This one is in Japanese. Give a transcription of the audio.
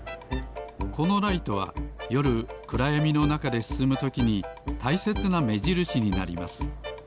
このライトはよるくらやみのなかですすむときにたいせつなめじるしになります。